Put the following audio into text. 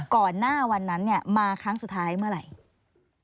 ก่อนหน้าวันนั้นเนี่ยมาครั้งสุดท้ายเมื่อไหร่